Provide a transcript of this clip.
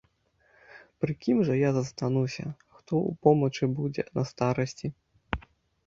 Пры кім жа я застануся, хто ў помачы будзе на старасці?